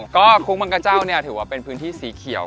ก็คุ้งบังกะเจ้าเนี่ยถือว่าเป็นพื้นที่สีเขียว